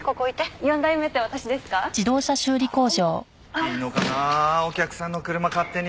いいのかなあお客さんの車勝手に。